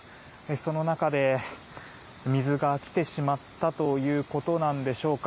その中で、水が来てしまったということなんでしょうか。